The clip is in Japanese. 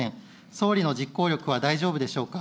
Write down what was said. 総理の実行力は大丈夫でしょうか。